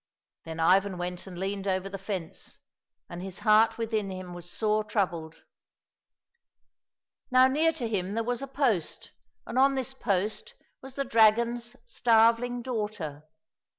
Then Ivan went and leaned over the fence, and his heart within him was sore troubled. Now near to him there was a post, and on this post was the dragon's starveling daughter.